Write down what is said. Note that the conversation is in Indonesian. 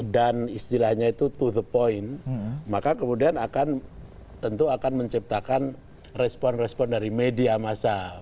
dan istilahnya itu to the point maka kemudian akan tentu akan menciptakan respons respons dari media masa